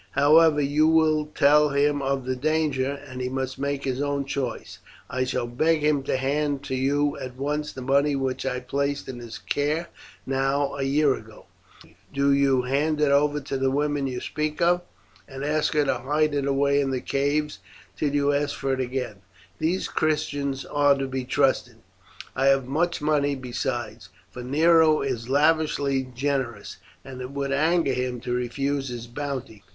However, you will tell him of the danger, and he must make his own choice. I shall beg him to hand to you at once the money which I placed in his care now a year ago. Do you hand it over to the woman you speak of, and ask her to hide it away in the caves till you ask for it again; these Christians are to be trusted. I have much money besides, for Nero is lavishly generous, and it would anger him to refuse his bounty.